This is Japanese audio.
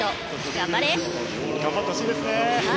頑張れ！頑張ってほしいですね。